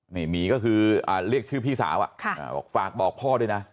นี่หมีก็คือเรียกชื่อพี่สาวบอกฝากบอกพ่อด้วยนะ